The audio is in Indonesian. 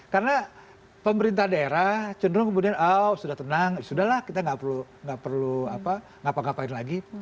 karena pemerintah daerah cenderung kemudian oh sudah tenang sudah lah kita gak perlu apa apa ngapain lagi